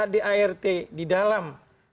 di art di dalam